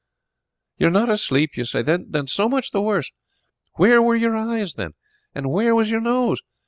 "You were not asleep, you say? then so much the worse. Where were your eyes, then? And where was your nose?